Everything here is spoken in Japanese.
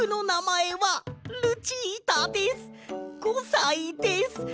５さいです。